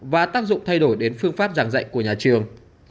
và tác dụng thay đổi đến phương pháp giảng dạy của nhà trường